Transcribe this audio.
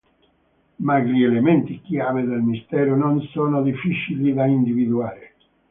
Ma gli elementi chiave del mistero non sono difficili da individuare.